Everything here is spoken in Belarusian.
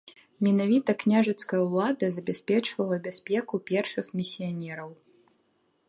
Менавіта княжацкая ўлада забяспечвала бяспеку першых місіянераў.